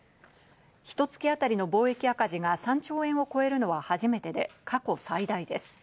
ひと月あたりの貿易赤字が３兆円を超えるのは初めてで、過去最大です。